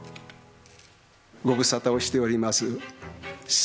ご無沙汰をしております。